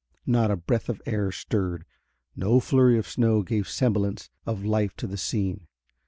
Not a breath of air stirred; no flurry of snow gave semblance of life to the scene.